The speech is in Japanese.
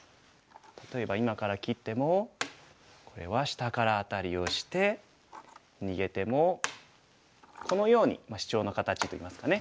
例えば今から切ってもこれは下からアタリをして逃げてもこのようにシチョウの形といいますかね。